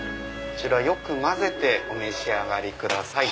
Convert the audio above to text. こちらよく混ぜてお召し上がりください。